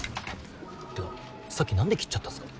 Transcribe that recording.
てかさっき何で切っちゃったんすか？